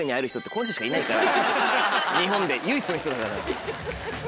日本で唯一の人だから。